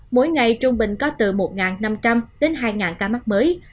mỗi ngày trung bình có từ một năm trăm linh đến hai ca mắc mới